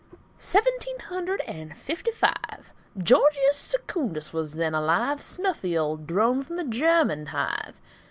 Seventeen hundred and fifty five. Georgius Secundus was then alive, Snuffy old drone from the German hive.